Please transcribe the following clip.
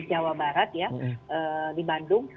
jawa barat ya di bandung